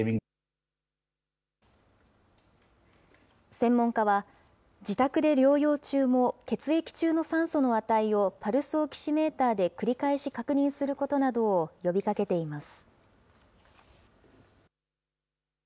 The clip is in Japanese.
専門家は、自宅で療養中も、血液中の酸素の値をパルスオキシメーターで繰り返し確認することなどを呼びかけています。